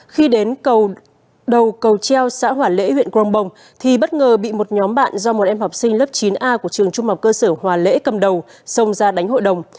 khi đến đầu cầu treo xã hòa lễ huyện grongbong thì bất ngờ bị một nhóm bạn do một em học sinh lớp chín a của trường trung học cơ sở hòa lễ cầm đầu xông ra đánh hội đồng